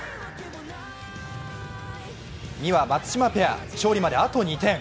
美和・松島ペア、勝利まであと２点。